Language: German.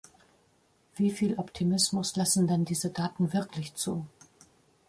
Wieviel Optimismus lassen denn diese Daten wirklich zu?